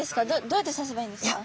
どうやって刺せばいいんですか？